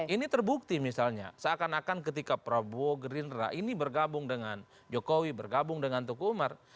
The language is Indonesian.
ini terbukti misalnya seakan akan ketika prabowo gerindra ini bergabung dengan jokowi bergabung dengan tuku umar